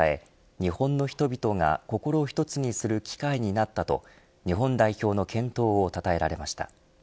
日本の人々が心を一つにする機会になったと日本代表の健闘を称えられました。